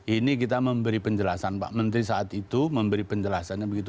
ini kita memberi penjelasan pak menteri saat itu memberi penjelasannya begitu